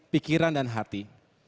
pikiran dan hati